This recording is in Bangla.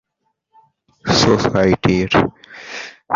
তার কাজের জন্য তিনি রয়াল সোসাইটির ফেলোশিপ ও স্যার উপাধি পান।